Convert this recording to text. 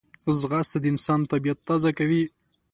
ځغاسته د انسان طبیعت تازه کوي